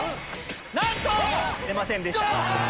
なんと‼出ませんでした。